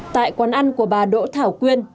tại quán ăn của bà đỗ thảo quyên